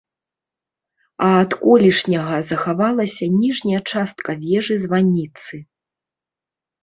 А ад колішняга захавалася ніжняя частка вежы-званіцы.